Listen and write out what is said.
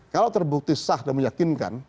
kalau terbukti sah dan meyakinkan